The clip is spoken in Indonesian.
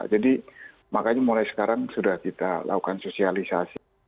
jadi makanya mulai sekarang sudah kita lakukan sosialisasi